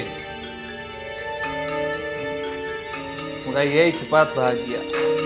semoga yei cepat bahagia